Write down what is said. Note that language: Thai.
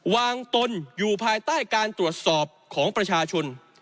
ตนอยู่ภายใต้การตรวจสอบของประชาชน